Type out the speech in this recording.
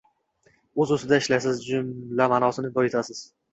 so‘z ustida ishlaysiz, jumla ma’nosini boyitasiz.